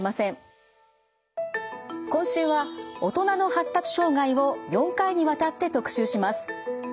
今週は大人の発達障害を４回にわたって特集します。